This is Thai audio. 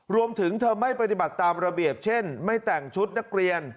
รวมถึงเธอไม่ปฏิบัติตามระเบียบเช่นไม่แต่งชุดนักเรียน